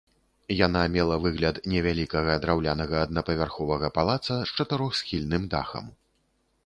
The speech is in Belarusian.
Яна мела выгляд невялікага драўлянага аднапавярховага палаца з чатырохсхільным дахам.